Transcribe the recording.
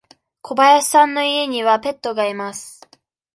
小林さんの家にはペットがいます。